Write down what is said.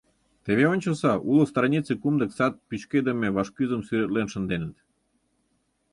— Теве ончыза: уло странице кумдык сад пӱчкедыме вашкӱзым сӱретлен шынденыт!